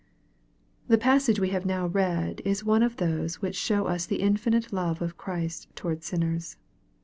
THE passage we have now read, is one of those which show us the infinite love of Christ toward sinners.